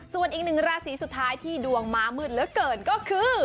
ส่วนอีกหนึ่งราศีสุดท้ายที่ดวงมามืดเหลือเกินก็คือ